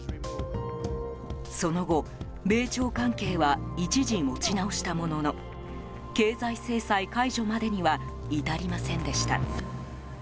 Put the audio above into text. その後、米朝関係は一時、持ち直したものの経済制裁解除までには至りませんでした。